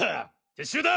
撤収だ。